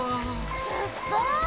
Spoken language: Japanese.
すっごい！